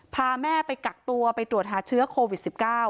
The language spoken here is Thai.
พาแม่ไปกักตัวไปตรวจหาเชื้อโควิด๑๙